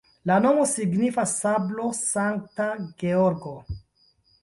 La nomo signifas: sablo-Sankta Georgo.